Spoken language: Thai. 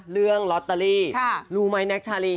เรื่องลอตเตอรี่รู้ไหมแน็กชาลี